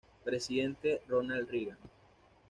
Presidente Ronald Reagan.